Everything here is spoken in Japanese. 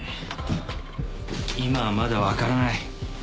今はまだ分からない。